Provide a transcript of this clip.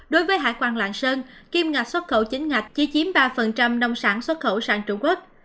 đối với hải quan làng sơn kim ngạc xuất khẩu chính ngạc chỉ chiếm ba nông sản xuất khẩu sang trung quốc